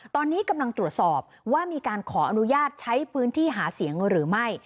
ตอนนี้กำลังตรวจสอบว่ามีการขออนุญาตใช้พื้นที่หาเสียงหรือไม่